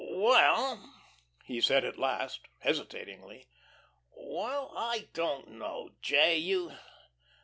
"Well," he said at last, hesitatingly, "well I don't know, J.